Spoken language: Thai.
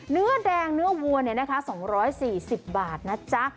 เนื้อแดงเนื้อวัวเนี่ยนะคะ๒๔๐บาทนะจ๊ะ